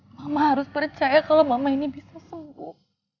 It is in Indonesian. mama harus percaya kalau mama ini bisa sembuh